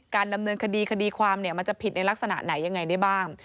ดำเนินคดีคดีความมันจะผิดในลักษณะไหนยังไงได้บ้าง